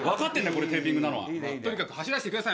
これテーピングなのはとにかく走らせてください